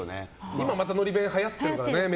今またのり弁はやってるからね。